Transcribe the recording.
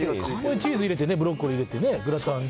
チーズ入れてね、ブロッコリー入れてね、グラタンに。